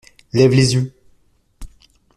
Lève les yeux!